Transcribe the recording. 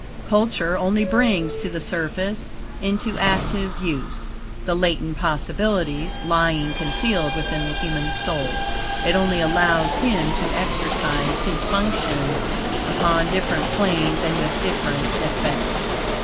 Culture only brings to the surface, into active use, the latent possibilities lying concealed within the human soul. It only allows him to exercise his functions upon different planes, and with different effect.